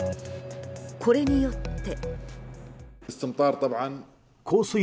これによって。